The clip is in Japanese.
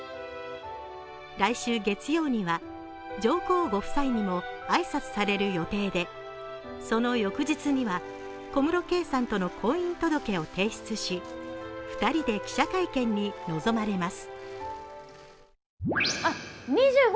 来週月曜には上皇ご夫妻にも挨拶される予定でその翌日には、小室圭さんとの婚姻届を提出し２人で記者会見に臨まれます。